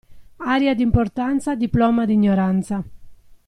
Aria d'importanza, diploma di ignoranza.